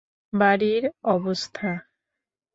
বাড়ির অবস্থা।